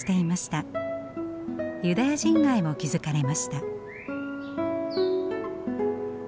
ユダヤ人街も築かれました。